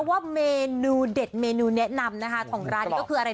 ว่าเมนูเด็ดเมนูแนะนำนะคะของร้านนี้ก็คืออะไร